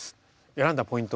選んだポイントは？